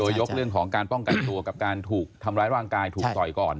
ยกเรื่องของการป้องกันตัวกับการถูกทำร้ายร่างกายถูกต่อยก่อน